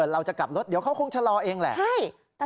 เราจะกลับรถเดี๋ยวเขาคงชะลอเองแหละ